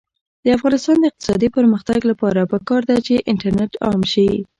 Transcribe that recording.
د افغانستان د اقتصادي پرمختګ لپاره پکار ده چې انټرنیټ عام شي.